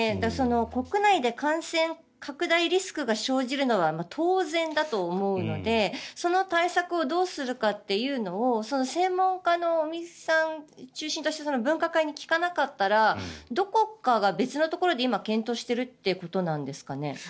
国内で感染拡大リスクが生じるのは当然だと思うのでその対策をどうするかって専門家の尾身さんを中心とした分科会に聞かなかったらどこか別のところが今、検討しているということなんですかね？